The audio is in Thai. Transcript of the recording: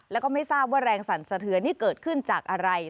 แล้วก็ไม่ทราบว่าแรงสั่นสะเทือนนี่เกิดขึ้นจากอะไร